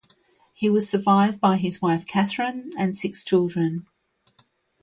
He was survived by his wife Catharine and six children.